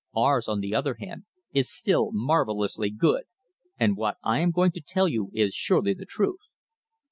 Ours, on the other hand, is still marvellously good, and what I am going to tell you is surely the truth.